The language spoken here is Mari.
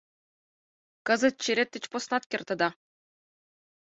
— Кызыт черет деч поснат кертыда.